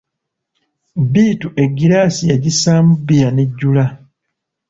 Bittu egiraasi yagissamu bbiya n'ejjula.